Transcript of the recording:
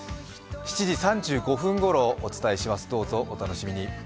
７時３５分ごろお伝えします、どうぞお楽しみに。